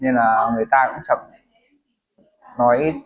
nên là người ta cũng chẳng nói